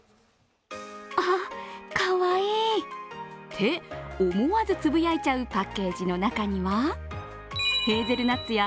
あ、かわいいって、思わずつぶやいちゃうパッケージの中にはヘーゼルナッツや